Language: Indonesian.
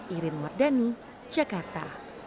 irym mardani jakarta